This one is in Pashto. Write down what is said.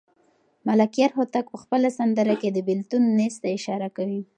ملکیار هوتک په خپله سندره کې د بېلتون نیز ته اشاره کوي.